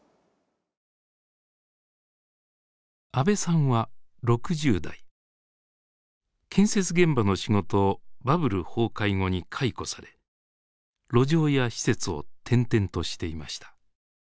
阿部さんは６０代建設現場の仕事をバブル崩壊後に解雇され路上や施設を転々としていました。